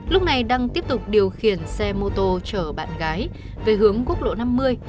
lúc này đăng tiếp tục điều khiển xe mô tô chở bạn gái về hướng quốc lộ năm mươi